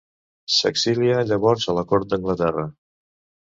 S'exilia llavors a la cort d'Anglaterra.